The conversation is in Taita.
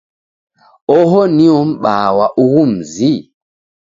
Oho nuo m'baa wa ughu mzi?